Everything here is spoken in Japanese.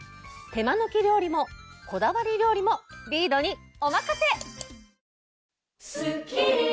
手間抜き料理もこだわり料理もリードにおまかせ！